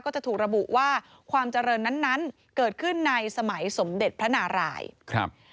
ก็จะถูกระบุว่าความเจริญนั้นเกิดขึ้นในสมเด็จพระนารายณ์